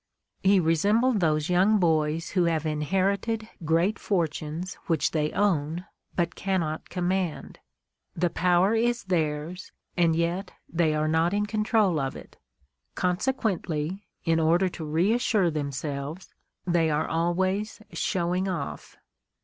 He resembled those young boys who have inher ited great fortunes which they own but cannot com mand ; the power is theirs and yet they are not in control of it ; consequently, in order to reassure themselves, they are always "showing off."